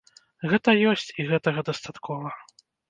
Гэта ёсць, і гэтага дастаткова.